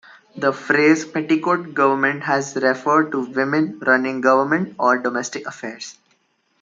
The phrase "petticoat government" has referred to women running government or domestic affairs.